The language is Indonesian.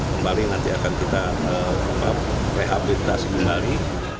kembali nanti akan kita rehabilitasi kembali